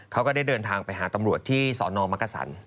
ก็ได้เดินทางไปหาตำรวจที่สนมักกษัน